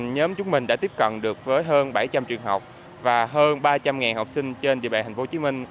nhóm chúng mình đã tiếp cận được với hơn bảy trăm linh trường học và hơn ba trăm linh học sinh trên địa bài thành phố hồ chí minh